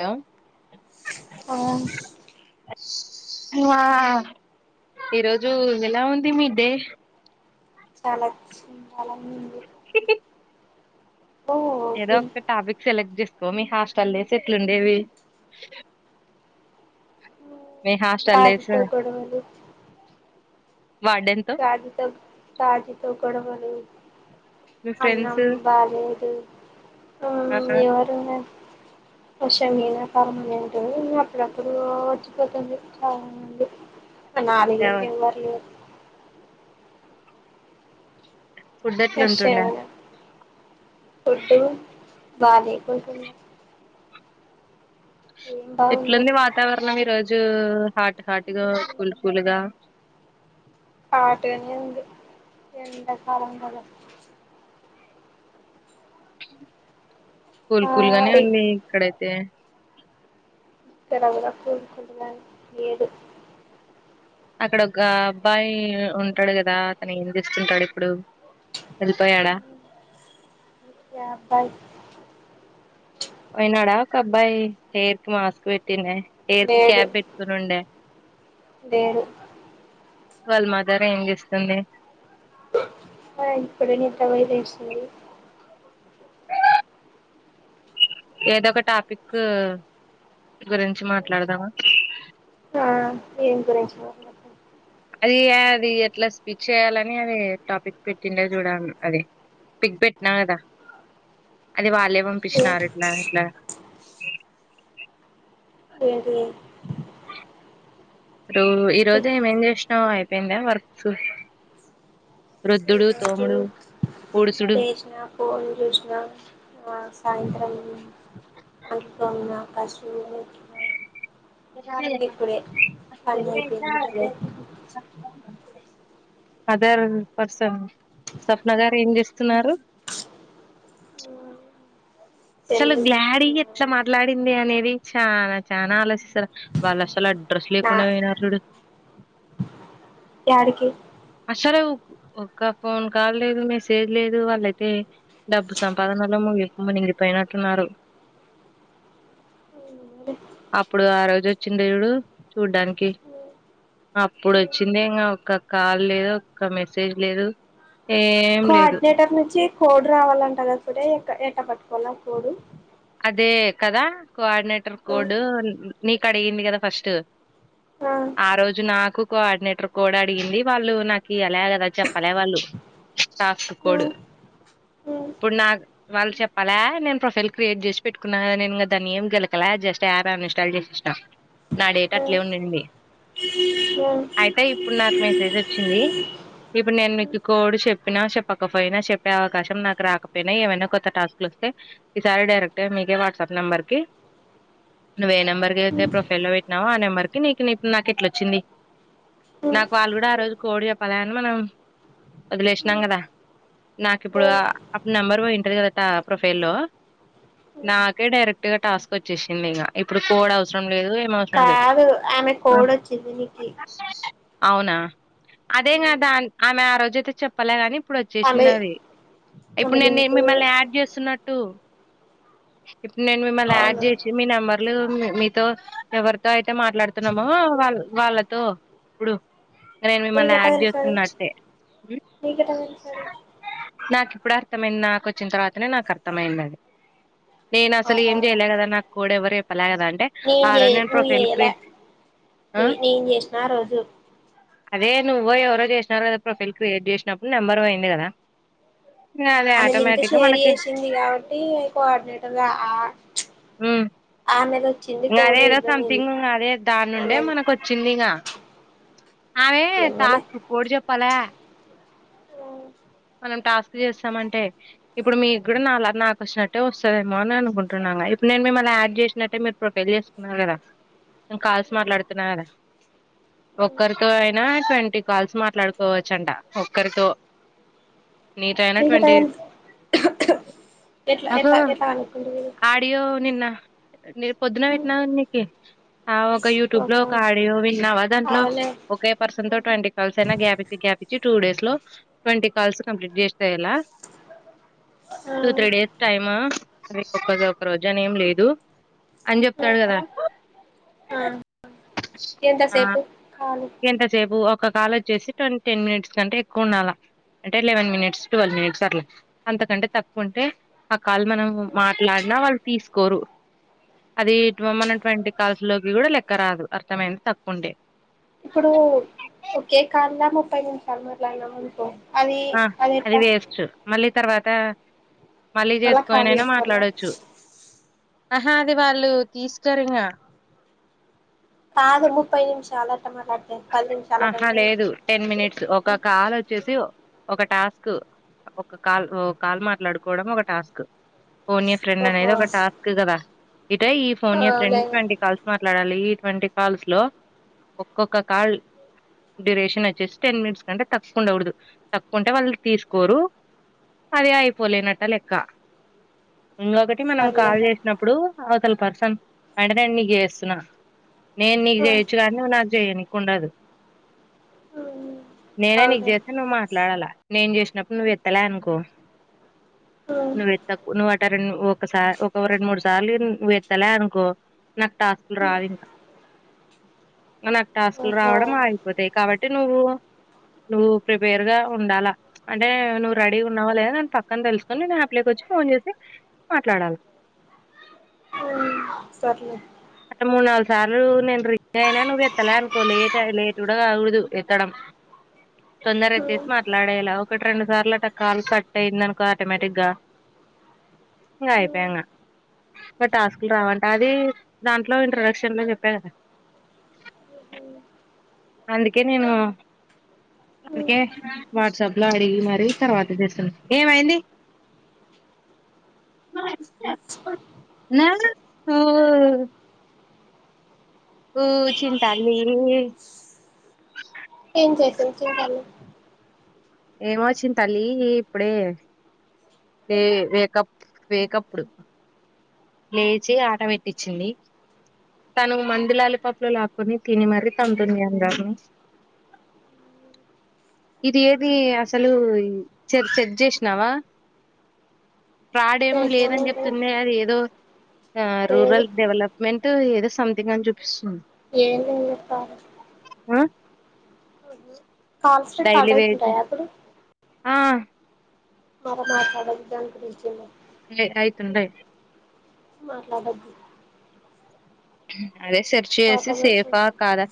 Hello ఆ ఆ ఈరోజు ఎలా ఉంది మీ డే చాలా అలానే ఉంది ఓ ఏదో విన్ ఒక టాపిక్ సెలెక్ట్ చేస్ చెప్పు మీ హాస్టల్ డేస్ ఎట్లు ఉండేవి రాజుతో గొడవలు వార్డెన్ తో రాజీతో రాజీతో గడవడులు మీ అన్నం ఫ్రెండ్స్ బాలేదు ఊ ఆ ఎవరున్నారు ఆ షమీనా పర్మనెంట్ అప్పుడప్పుడు వచ్చిపోతుంది చాలా మంది ఇ నాలుగేండ్లు ఎవరు లేరు ఫుడ్ ఎట్లా ఉంటుండా విషమైన ఫుడ్డు బాలెకుంటున్న ఎట్లుంది బాగుండదు వాతావరణం ఈ రోజు ఈ రోజు హాట్ హాట్గా కూల్ కూల్ గా హాట్ గానే ఉంది ఎండా కాలం లాగ కూల్ ఆ కూల్గానే రి ఉంది ఇక్కడైతే ఇక్కడ కూడా కూల్ కూల్గా లేదు అక్కడ ఒక అబ్బాయి ఉంటాడు కదా అతను ఏం చేస్తున్తాడు ఇప్పుడు వెళ్ళిపోయాడా ఏ అబ్బాయ్ పోయ్నాడా ఒక అబ్బాయి హెర్కి మాస్క్ పెట్టిన్ నే హెయిర్కి క్యాబ్ పెటుకునుండే దేరు వాళ్ళ మదర్ ఏం చేస్తుంది ఆ ఇప్పుడే నీ కళ్ళ జుస్తుంది ఏదొ ఒక టాపిక్ గురించి మాట్లాడదామా? ఆ దేన్ గురించి మాట్లాడం అది అది ఎట్లా స్పీచ్ చేయాలని అది టాపిక్ పెట్టిండే చూడ అది పిక్ పెట్టినా కదా అది వాళ్ళే పంపించినారు ఇట్లా ఇట్లా ఏంటి రో ఈ రోజే ఏమేం చేసినవ్ అయ్ రెండా వర్క్స్ వృద్ధుడు ఈరోజు తోముడు పూడుసుడు లేేచిన ఫోన్ చూసిన సాయంత్రం అంట్లు తోమినా కశువు ఎత్తినా [unintelligible] పని అయిపోయింది ఇప్పుడే అదర్ పర్సన్ స్వప్న గారు ఏం చేస్తున్నారు అసలు సెల్లు గ్లాడీ ఎట్లా చూస్తున్నాను మాట్లాడింది అని వి చానా చానా ఆలోచిస్తారు వాళ్ళు అసల అడ్రస్ నా లేకుండా అయినారు చూడు యాడికి సరే ఒక ఫోన్ కాల్ లేదు మెసేజ్ లేదు వాళ్ళయితే డబ్బు సంపాదనలో మునిగి మునిగి పోయినట్టున్నారు అప్పుడు ఆ రోజు వచ్చింది చూడు చూడ్డానికి అప్పుడు వచ్చిందే ఇంక ఒక్క కాల్ లేదు ఒక్క మెసేజ్ లేదు ఏం కా లేదు అట్నేటర్ నుంచి కోడు రావాలంట కదా సూరి ఇక ఎట్ట పట్టుకోవాలి కోడు అదే కదా కోఆర్డినేటర్ ఆ కోడ్ నీకు అడిగింది కదా ఫస్టు ఆ రోజు నాకు కోఆర్డినేటర్ కోడ్ అడిగింది వాళ్ళు నాకు అలా కదా చెప్పలే వాళ్ళు టాస్క్ ఆ కోడ్ ఆ ఇప్పుడు నాకు వాళ్ళు చెప్పాల నేను ప్రొఫైల్ క్రియేట్ చేసి పెట్టుకున్నా కదా నేను ఇగ దాన్ని ఏమి గెలకలే జస్ట్ యాప్ అ న్ఇన్స్టాల్ చేసేసిన నా డేటా అట్లే ఉండింది మ్మ్మ్మ్ చ్చింది ఇప్పుడు నేను మీకు కోడ్ చెప్పినా చెప్పకపోయినా చెప్పే అవకాశం నాకు రాకపోయినా ఏమైనా కొత్త టాస్క్లు వస్తే ఈసారి డైరెక్ట్గా మీకే వాట్సాప్ నెంబర్కి నువ్వు ఏ నెంబర్కి అయితే ప్రొఫైల్లో పెట్నావో ఆ నెంబర్కి నీకు నీ నాకు ఇట్లా వచ్చింది ఆ నాకు వాళ్ళు కూడా ఆ రోజు కోడ్ చెప్పాల అని మనం వదిలేసినాం కదా నాకు ఇప్పుడు అప్పుడు నెంబర్ పోయింటారు కదట ప్రొఫైల్లో నాకే డైరెక్ట్గా టాస్క్ వచ్చేసింది ఇంగ ఇప్పుడు కోడ్ అవసరం లేదు ఏం అవసరం లేదు. కాదు ఆమె ఆ! కోడు వచ్చింది మీకీ అవునా అదేం కదా ఆమె ఆ రోజయితే చెప్పలే గాని ఇప్పుడు ఆమె వచ్చేసినది ఇప్పుడు ఆమె నేను నీ లింకు మిమ్మల్ని యాడ్ చేస్తున్నట్టు ఇప్పున్ నేను మిమ్మల్న్ యాడ్ అవునా చేచ్చ్ మీ నెంమర్ లో మీ మీతో ఎవరితో అయితే మాట్లాడుతున్నామో వాళ్ వాళ్ళతో ప్పుడు నేన్ మిమ్మల్న్ నీకెట్ట యాడ్ తెలుసది చేస్తున్నట్టే, ఉ నీకెట్ట తెలుసది నాక్ ఇప్పుడ్ అర్థమైంది నాకొచ్చిన తర్వాతనే నాకు అర్థమయిందది. నేను అసలు ఏం చెయలే కదా నాకు కోడ ఎవరు పలా నేం చే నువ్ చెయలె ఆ! నువి నేం చేస్నా ఆ రోజు అదే నువ్వో ఎవరో చేస్నార్ కదా ప్రొఫైల్ క్రియేట్ చేసినప్పుడు నెంబర్ అయింది కదా ఇంగ అది ఆమె లింక్ షేర్ చేసింది కాబట్టి కోఆర్డినేటర్ ఆ హుం, ఆ నెల వచ్చింది ఇంగా అదే కోడ్ ఏదో ఏందో సంమ్ నీది తింగ్ ఇ అదే దాన్నుండే ఆమె మనకొచ్చిందిగ, ఆమె ఏమోలే తాస్ కోడు చెప్ప పలె నం టాస్క్ చేస్సంమంటే ఇప్పుడు మీ కూడా నాలగ్ నాక్ వస్సినట్టే వస్సదేమో అని అనుకుంటున్నా ఇప్పుడు నేను మిమ్మల్ని యాడ్ చేసినట్టే మీరు ప్రొఫైల్ చేసుకున్నార్ కదా, నేను కాల్స్ మాట్లాడుతున్నా కదా ఒక్కరితో అయినా ట్వంటీ కాల్స్ మాట్లాడుకోవచ్చంట ఒక్కరితో నీతో అయినా ట్వంటీ మీకెట్టనిపిస్ ఎట్లా నాకు ఎట్లా ఎట్లా అనుకుంటువి. నేరు పొద్దున పెట్నా నీకి ఆ ఒక యూట్యూబ్ లో ఓహో ఒక ఆడియో విన్నావా దాంట్లో అవునా ఒకే పర్సన్ తో ట్వంటీ కాల్స్ అయినా గ్యాపించి గ్యాపించి టూ డేస్ లో ట్వంటీ కాల్స్ కంప్లీట్ చేస్నా ఇయల ఆ టూ త్రీ డేస్ టైమా [unintelligible] ఒక ఒక రోజు అనేంలేదు. అని చెప్తాడు కదా, ఆ ఆ ఎంతసేపు కాలు ఎంతసేపు ఒక్క కాల్ వచ్చేసి ట్వన్ టెన్ మినిట్స్ కంటే ఎక్కువుండాలా అంటే లెవెన్ మినిట్స్ టువల్ మినిట్స్ అట్ల అంతకంటే తక్కువుంటే ఆ కాల్ మనం మాట్లాడినా వాళ్ళు తీసుకోరు, అది ట్వుమనం ట్వంటీ కాల్స్ లోకి కూడా లెక్క రాదు అర్థమైంద్ తక్కువుండే ఇప్పుడు ఒకే కాల్లా ముప్పై నిమిషాల్ మాట్లాన్నం అనుకో అది ఆ అది ఎట్టా వేస్ట్ మళ్ళీ తర్వాత మళ్ళీ మళ్ళా ఖాళీ చేసుకోనైనా చేసుకోవాలా మాట్లాడొచ్చు ఆహా అది వాళ్ళు తీసుకోరు ఇంగ కాదు ముప్పై నిమిషాల అట్లా మాట్లాడితే పది ఆహా కంటే లేదు టెన్ మినిట్స్ ఒక కాల్ వచ్చేసి ఒక టాస్క్ ఒక కాల్ ఒ కాల్ మాట్లాడుకోడం ఒక టాస్క్ పోనియా ఫ్రెండ్ ఓహో అనేది ఒక టాస్క్ కదా ఇట ఈ ఫోన్ ఎ ఫ్రెండ్ అవులే ట్వంటీ కాల్స్ మాట్లాడాలి. ట్వంటీ కాల్స్ లో ఒక్కొ ఒక్క కాల్ డ్యూరేషన్ వచ్చేసి టెన్ మినిట్స్ కంటే తక్కు ఉండవుడదు తక్కుంటే వాళ్ళు తీసుకోరు, అదే అయిపోలేనట్ట లెక్క ఇంగొకటి మనం సర్లే కాల్ జేసినప్పుడు అసల్ పర్సన్ అంటడని నీక్ జేస్తున్నా నేను నీకు జేయొచ్చు గానీ నువ్వుకు జేయని కుండదు నేనే నీకు అవులే జెతే నువ్ మాట్లాడాలా నేను జేసినప్పుడు నువ్ ఎత్తలే అనుకో నువ్వేత్తకు నువ్వు అట రెండు ఒకసారి ఒక రెండు మూడు సార్లు నువత్తలే అనుకో నాకు టాస్కులు రావు ఇంకా నకు టాస్కులు ఓహో రావడం ఆగిపోతాయి కాబట్టి నువ్వు నువ్వు ప్రిపేర్ గా ఉండాలా అంటే నువ్వు రెడీ ఉన్నావా లేదా అని పక్కన దెల్సుకొని నేను అప్ లోకి ఒచ్చి ఫోన్ జేసి మాట్లాడాల ఇగద్ అ మూడు నాలుగు సార్లు నేను రిగ అయినా నువ్వు ఎత్తలే అనుకో లేట్ లేట్ గూడ గాగూడదు ఎత్తడం తొందర ఎత్తేసి మాట్లాడేలా ఒకటి రెండు సార్లు అట కాల్ కట్ అయింది అనుకో ఆటోమేటిక్గా ఇంగ అయిపయన ఇంక టాస్క్లు రావంట అదీ దాంట్లో ఇంట్రడక్షన్ లో జెప్పా గదా అందికే నేను అందికే వాట్సాప్ ల అడిగి మరి తర్వాత జేస్తున్న ఓ చిం తల్లి ఏం చేసింది చిం తల్లి ఏం ఒచ్చింది తల్లి ఈ ఇప్పుడే వే వేకప్ వేకప్పుడు లేచి ఆట వెట్టిచింది తను మండులాలిపప్పులు లాక్కుని తిని కౌంటున్యాంగాను మరి ఇది ఏది అసలు చెట్ జేష్ణవా రాడేం చేసినాను లేదని ఈరోజు జెప్తుంది అది ఏదో ఆ లేదు రూరల్ డవలప్ మెంట్ ఏదో సంథింగ్ అని జూపిస్తుంది ఏం లేదు అక్క అ కాల్స్ స్టార్ట్ ఐతుంటయా అప్పుడు ఆ నువ్ మాట్లాడేది దాని గురించెలే లే అయితుండయి మాట్లడదు [unintelligible] అదే సెర్చ్ టాక్ చేసి అబౌట్ సేఫా సంథింగ్ కాదా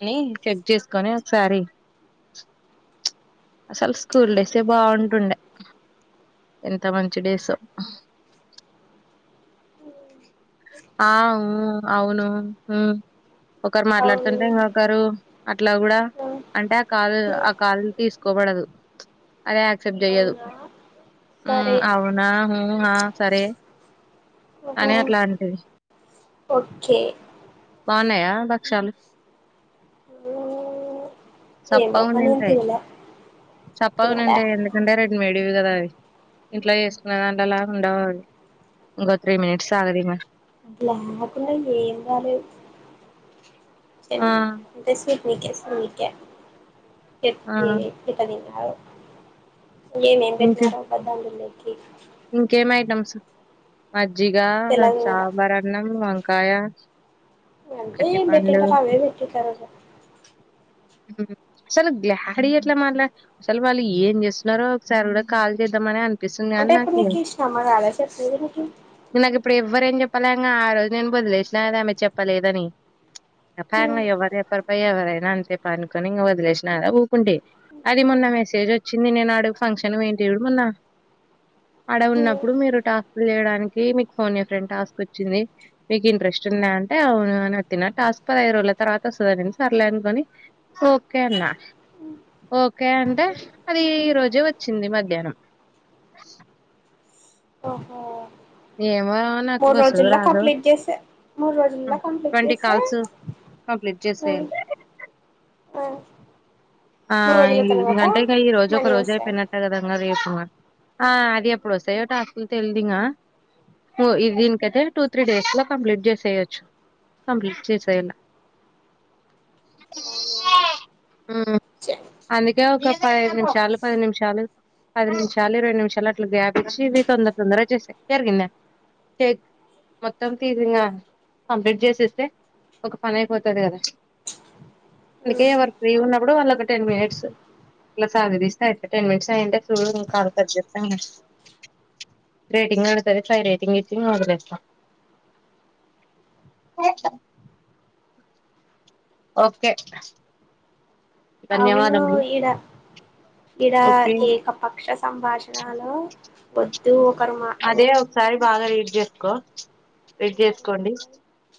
అని చెక్ జేసుకొని ఒకసారి అసలు స్కూల్ డేసే బాగుంటుండే ఎంత మంచి డేసో ఆ ఊ అవును ఉ ఒకరు అవును మాట్లాడుతుంటే ఇంగొకరు అట్లా గూడా అంటే ఆ కాలు ఆ కాలు తీసుకోబడదు ప్చ్ అదే సెప్ట్ జేయదు అవునా ఊమ్ సరే అవునా ఉ ఆ సరే ఓహో అని అట్లా అంటది ఓకే బావునయా భక్షాలు ఏమో అబ్బ నేన్ తిన్ల చెప్పగనే ఉంటయ్ ఎందుకంటే రెడీమేడ్ వి కదా అవి ఇంట్లా చేసుకున్న దాంట్లో అలా ఉండవు అవి ఇంకో త్రీ మినిట్స్ సాగదుమ అలాకుంట ఏం కాలేదు చె ఆ అంటే [unintelligible] చెప్ ఆ ఏ ఎక్కుతది ఇగ అవు ఏన్ ఏం ఇంక పెట్న్నారొ పద్దయందులే కె ఇంకేం ఐటమ్స్ మ జ్జిగా తెలంగాణ సాంబారన్నం వం కాయా అంటే ఏం పెట్టింటారు అవే పెట్టింటారు ఇగ అసలు గ్లాడీ ఎట్లా మాట్లా అసలు వాళ్ళు ఏం చేస్తున్నారో ఒకసారి కూడా కాల్ చేద్దామని అ అనిపిస్తుంది కని నాక్ కి ఇష్ట మా కదా చెప్పి ఎవరికి చెప్పలేంక ఆ రోజు నేను వదిలేసినా కదా ఆమె చెప్పలేదని చెప్పలేంగా ఎవరు ఎవరిపై ఎవరైనా అని చెప్ప అనుకొని ఇంక వదిలేసిన కదా ఊకుండి అది మొన్న మెసేజ్ వచ్చింది నేను అడుగు ఫంక్షన్ పోయింటి చూడు మొన్న ఆడ ఉన్నప్పుడు మీరు టాస్క్లు చేయడానికి మీకు ఫోన్ చే ఫ్రెండ్ టాస్క్ వచ్చింది మీకు ఇంట్రెస్ట్ ఉందా అంటే అవును అని తిన టాస్క్ పదహైదు రోజుల తర్వాత వస్తది అనింది సర్లేనుకొని ఓకే అన్నా ఓకే అంటే అది ఈ రోజే వచ్చింది మధ్యాహ్నం ఓహో ఏమొ మూడు రోజుల్లో కంప్లీట్ చేసే మూడు రోజుల్లో హ్మ్. కంప్లీట్ ట్వంటీ చేసే కాల్స్ కంప్లీట్ ఆ చేసేయాలి ఆ మూడు రోజుల ఇ తర్వాత గంటేకా ఈ రోజు ఒక మనీ రోజయి వస్తాయి పోయిన్నట్ట కద రేపు ఆ అదే ఎప్పుడస్థాయో టాస్క్లు తెల్ ఇంగా ఓ ఇదిన్ కైతే టు త్రీ డేస్ లో కంప్లీట్ చేసేయొచ్చు కంప్లీట్ చేసేలా ఉం అందుకే ఒక పదిహేదు నిమిషాలు పది నిమిషాలు పది నిమిషాలు ఇరవై నిమిషాలు అట్లా గ్యాప్ ఇచ్చి ఇవి తొందర తొందర చేసాయి జరిగిందా మొత్తం తీవ్రంగా కంప్లీట్ చేసేస్తే ఒక పని అయిపోతది కదా అందుకే ఎవరు ఫ్రీ ఉన్నప్పుడు వాళ్ళ ఒక టెన్ మినిట్స్ అట్లా సాగదిస్తే అయిపయె టెన్ మినిట్స్ అయింటే చూడు కాల్ చేస్తా రేటింగ్ పడుతది ఫై రేటింగ్ ఇచ్చి వదిలేస్తా ఓకే అవును ధన్యవాదములు ఇడ ఇడ ఓకే ఏక పక్ష సంభాషణలో వద్దు ఒకరు మాట వ కో వెట్ చేసుకోండి